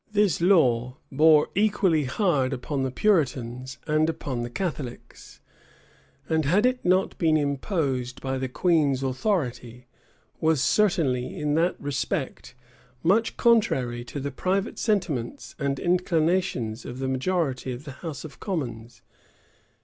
[] This law bore equally hard upon the Puritans and upon the Catholics; and had it not been imposed by the queen's authority, was certainly, in that respect, much contrary to the private sentiments and inclinations of the majority in the house of commons.